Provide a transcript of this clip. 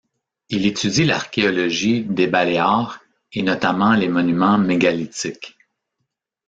Il étudie l'archéologie des Baléares et notamment les monuments mégalithiques.